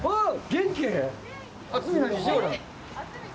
元気？